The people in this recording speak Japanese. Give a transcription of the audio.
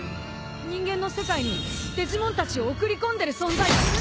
人間の世界にデジモンたちを送り込んでる存在がいる。